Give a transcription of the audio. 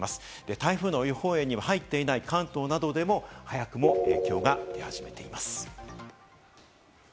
台風の予報円に入っていない関東などでも早くも影響が出始めています。